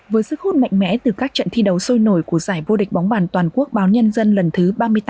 với sức hút mạnh mẽ từ các trận thi đấu sôi nổi của giải vô địch bóng bàn toàn quốc báo nhân dân lần thứ ba mươi tám